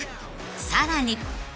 ［さらに］